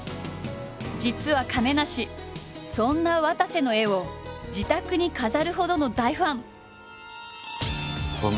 実は亀梨そんなわたせの絵を自宅に飾るほどの大ファン！